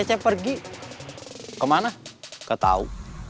kan cece pergi kemana ketau